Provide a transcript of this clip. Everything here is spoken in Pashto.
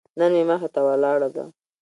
نن مې مخې ته ولاړه ده.